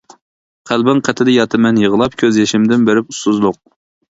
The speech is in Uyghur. قەلبىڭ قېتىدا ياتىمەن يىغلاپ، كۆز يېشىمدىن بېرىپ ئۇسسۇزلۇق.